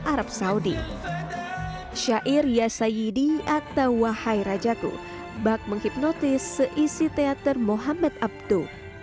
arab saudi syair yasyayidi atau wahai rajaku bak menghipnotis seisi teater muhammad abdu